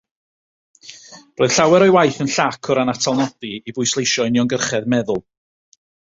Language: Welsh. Roedd llawer o'i waith yn llac o ran atalnodi i bwysleisio uniongyrchedd meddwl.